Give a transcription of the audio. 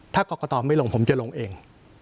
ถ้าก็กะต๋อไม่หลงผมจะหลงเอง